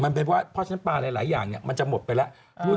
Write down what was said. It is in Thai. มันเป็นเพราะว่าพอเช่นปลาหลายอย่างมันจะหมดไปแล้ว